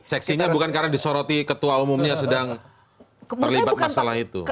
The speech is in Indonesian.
seksinya bukan karena disoroti ketua umumnya sedang terlibat masalah itu